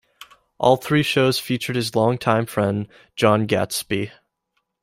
All three shows featured his longtime friend Jon Gadsby.